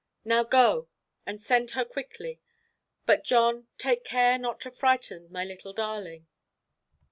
Now go and send her quickly; but John, take care not to frighten my little darling.